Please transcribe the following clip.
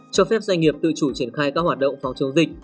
cho phép doanh nghiệp tự chủ triển khai các hoạt động phòng chống dịch